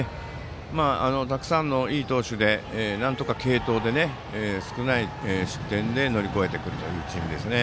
たくさんのいい投手でなんとか継投で少ない失点で乗り越えてくるというチームですね。